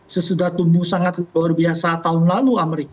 sesudah tumbuh sangat luar biasa tahun lalu amerika